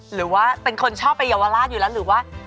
หรือว่าเป็นคนชอบไปเยาวราชอยู่แล้วหรือว่า